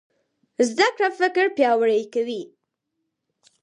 زده کړه فکر پیاوړی کوي.